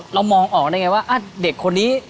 เรามองออกได้ไงว่าเด็กคนนี้